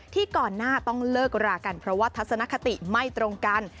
ก่อนหน้าต้องเลิกรากันเพราะว่าทัศนคติไม่ตรงกัน